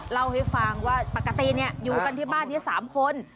เล่าให้ฟังว่าปกติอยู่กันที่บ้านนี้๓คน